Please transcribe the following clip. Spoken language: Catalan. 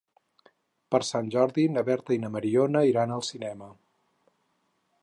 Per Sant Jordi na Berta i na Mariona iran al cinema.